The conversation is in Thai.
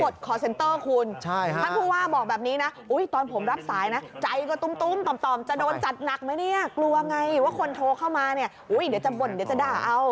เดี๋ยวจะบ่นเดี๋ยวจะด่าเอ้า